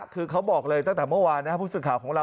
คือเขาบอกเลยตั้งแต่เมื่อวานพูดสุดข่าวของเรา